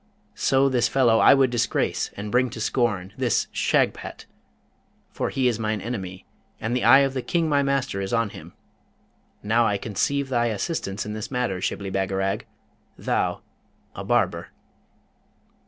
So this fellow I would disgrace and bring to scorn, this Shagpat! for he is mine enemy, and the eye of the King my master is on him. Now I conceive thy assistance in this matter, Shibli Bagarag, thou, a barber.'